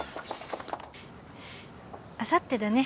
あさってだね。